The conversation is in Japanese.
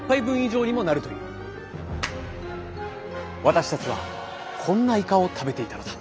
私たちはこんなイカを食べていたのだ。